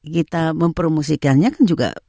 kita mempromosikannya kan juga